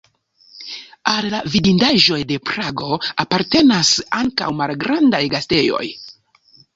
Al la vidindaĵoj de Prago apartenas ankaŭ malgrandaj gastejoj.